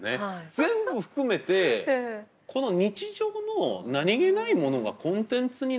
全部含めてこの日常の何気ないものがコンテンツになるんだなっていう。